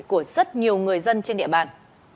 của rất nhiều người dân trên địa bàn